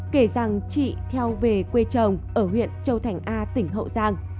kể rằng chị theo về quê chồng ở huyện châu thành a tỉnh hậu giang